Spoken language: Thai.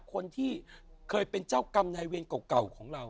คนที่เคยเป็นเจ้ากรรมในเวรเก่าของเรา